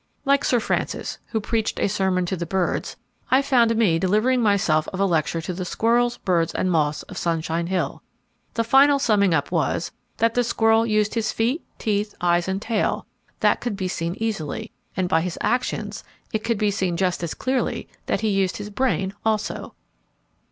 Like Sir Francis, who preached a sermon to the birds, I found me delivering myself of a lecture to the squirrels, birds, and moths of Sunshine Hill. The final summing up was, that the squirrel used his feet, teeth, eyes and tail; that could be seen easily, and by his actions it could be seen just as clearly that he used his brain also.